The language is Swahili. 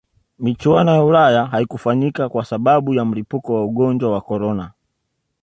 michuano ya ulaya haikufanyika kwa sababu ya mlipuko wa ugonjwa wa corona